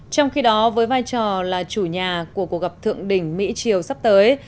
trong khi đó với vai trò là chủ nhà của cuộc gặp thượng đỉnh mỹ triều sắp tới